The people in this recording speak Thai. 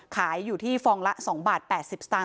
ขายอยู่ที่ฟองละ๒บาท๘๐สตางค